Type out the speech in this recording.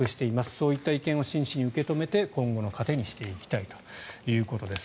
そういった意見を真摯に受け止めて今後の糧にしていきたいということです。